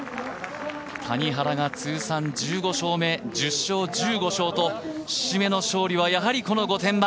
谷原が通算１５勝目、１０勝、１５勝と節目の勝利は、やはりこの御殿場。